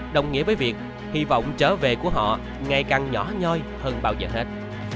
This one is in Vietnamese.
đồng nghĩa với việc hy vọng trở về của họ ngày càng nhỏ nhoi hơn bao giờ hết